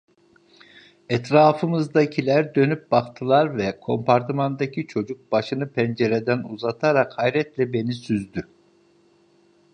Etrafımızdakiler dönüp baktılar ve kompartımandaki çocuk başını pencereden uzatarak hayretle beni süzdü.